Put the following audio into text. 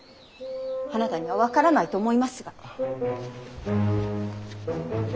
あなたには分からないと思いますが。